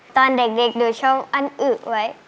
ตอนเด็กดูช่องอั้นอึไว้